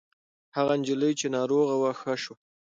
هغه نجلۍ چې ناروغه وه ښه شوه.